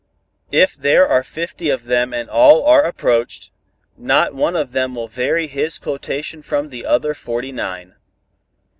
If there are fifty of them and all are approached, not one of them will vary his quotation from the other forty nine.